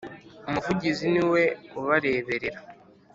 Umuvugizi niwe ubareberera.